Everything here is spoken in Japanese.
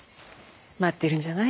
待ってるんじゃない？